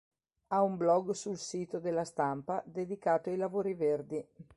Ha un blog sul sito de La Stampa dedicato ai lavori verdi..